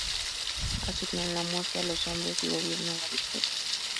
Asignan la muerte a los hombres y gobiernan la victoria.